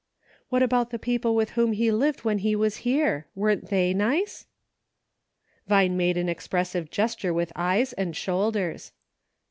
" What about the people with whom he lived when he was here — weren't they nice }" Vine made an expressive gesture with eyes and shoulders.